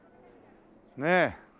ねえ。